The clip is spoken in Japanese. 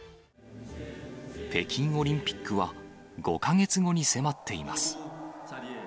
北京オリンピックは５か月後に迫っています。